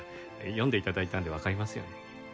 読んで頂いたのでわかりますよね。